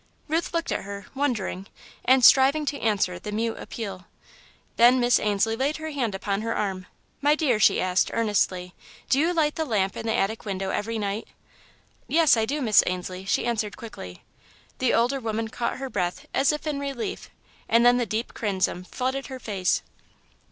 Ruth looked at her, wondering, and striving to answer the mute appeal. Then Miss Ainslie laid her hand upon her arm. "My dear," she asked, earnestly, "do you light the lamp in the attic window every night?" "Yes, I do, Miss Ainslie," she answered, quickly. The older woman caught her breath, as if in relief, and then the deep crimson flooded her face.